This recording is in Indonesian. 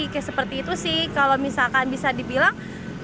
kayak seperti itu sih kalau misalkan bisa dibilang